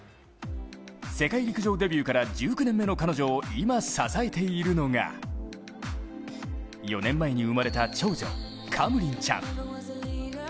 世界陸上デビューから１９年目の彼女を今支えているのが４年前に生まれた長女カムリンちゃん。